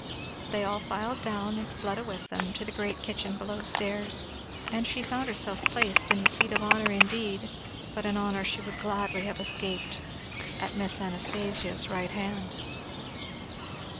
They all filed down, and Fleda with them, to the great kitchen below stairs; and she found herself placed in the seat of honour indeed, but an honour she would gladly have escaped, at Miss Anastasia's right hand.